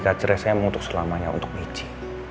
gak cerai saya mau selamanya untuk michi